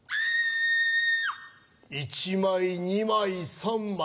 ・１枚２枚３枚。